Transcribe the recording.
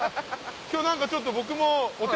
今日何かちょっと。